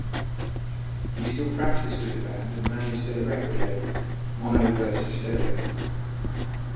He still practiced with the band and managed their record label, Mono Vs Stereo.